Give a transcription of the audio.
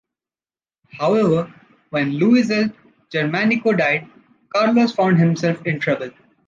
However, when Luis el Germánico died, Carlos found himself in trouble.